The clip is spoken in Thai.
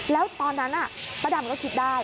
แล้วตอนนั้นป้าดำก็คิดได้